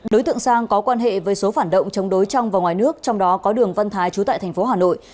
đối tượng sang có quan hệ với số phản động chống đối trong và ngoài nước trong đó có đường văn thái trú tại thành phố hà nội